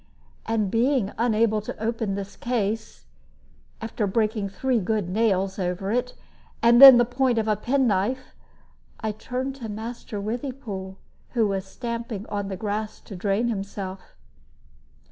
And being unable to open this case after breaking three good nails over it, and then the point of a penknife I turned to Master Withypool, who was stamping on the grass to drain himself.